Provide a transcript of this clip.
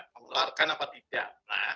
mengeluarkan apa tidak